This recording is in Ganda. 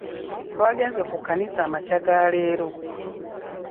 twagenze ku kkanisa amakya ga leero.